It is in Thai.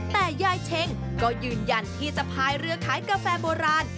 แต่ยายเช็งก็ยืนยันที่จะพายเรือขายกาแฟโบราณ